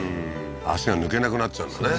足が抜けなくなっちゃうんだね